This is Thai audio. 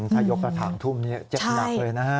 ถ้ายกกระถางทุ่มนี้เจ็บหนักเลยนะฮะ